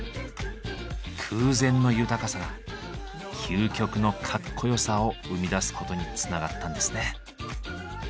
空前の豊かさが究極のかっこよさを生み出すことにつながったんですね。